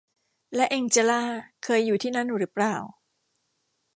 และแองเจลลาเคยอยู่ที่นั่นหรือเปล่า